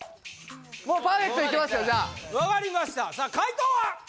もうパーフェクトいきますよじゃわかりましたさあ解答は？